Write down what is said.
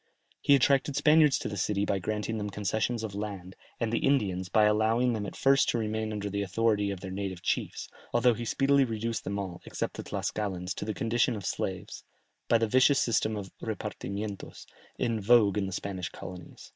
He attracted Spaniards to the city by granting them concessions of lands, and the Indians, by allowing them at first to remain under the authority of their native chiefs, although he speedily reduced them all, except the Tlascalans, to the condition of slaves, by the vicious system of repartimientos, in vogue in the Spanish colonies.